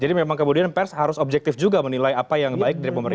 jadi memang kemudian pers harus objektif juga menilai apa yang baik dari pemerintah